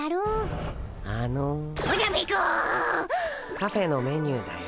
カフェのメニューだよ。